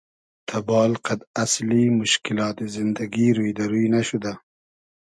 تئبال قئد اسلی موشکیلات زیندگی روی دۂ روی نئشودۂ